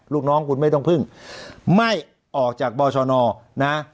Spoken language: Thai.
ลูกน้องคุณไม่ต้องพึ่งไม่ออกจากบชนนะ